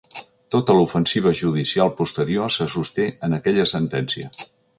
Tota l’ofensiva judicial posterior se sosté en aquella sentència.